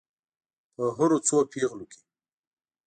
په هرو څو پیغلو کې.